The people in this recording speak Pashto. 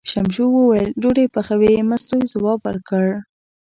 ششمو وویل: ډوډۍ پخوې، مستو یې ځواب ورکړ.